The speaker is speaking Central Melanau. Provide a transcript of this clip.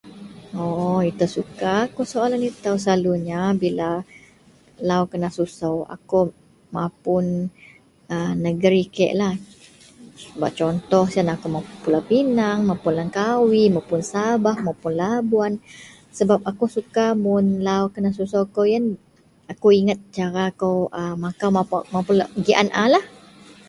Oo ito aku suka soalan ito selalu bila lau kenesusu aku mapun negeri kei bak contoh yian mapun pulau pinang, sabah jegam Labuan aku suka lau kenesusu aku ingat cara kou makau takan a.